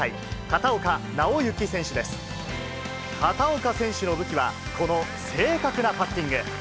片岡選手の武器は、この正確なパッティング。